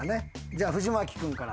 じゃあ藤牧君から。